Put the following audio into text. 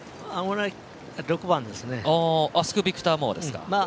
アスクビクターモアですか。